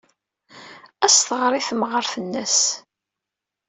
Ad as-tɣer i temɣart-nnes.